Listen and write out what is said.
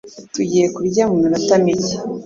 Tugiye kurya muminota mike.